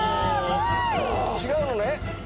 違うのね。